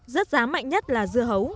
rớt giá mạnh nhất là dưa hấu